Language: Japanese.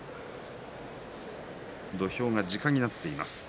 土俵が時間になっています。